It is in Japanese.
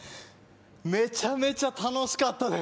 めちゃめちゃ楽しかったです。